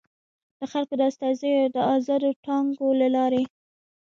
د خلکو د استازیو د ازادو ټاکنو له لارې.